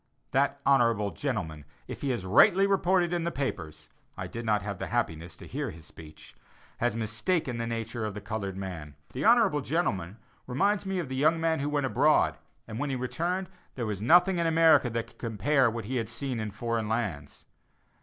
That honorable gentleman, if he is rightly reported in the papers (I did not have the happiness to hear his speech), has mistaken the nature of the colored man. The honorable gentleman reminds me of the young man who went abroad, and when he returned, there was nothing in America that could compare with what he had seen in foreign lands.